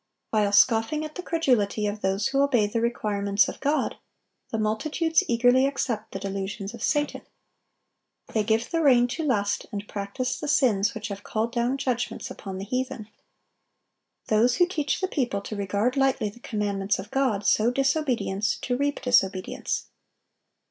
While scoffing at the credulity of those who obey the requirements of God, the multitudes eagerly accept the delusions of Satan. They give the rein to lust, and practise the sins which have called down judgments upon the heathen. Those who teach the people to regard lightly the commandments of God, sow disobedience, to reap disobedience.